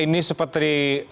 jadi ke aparat penegak hukum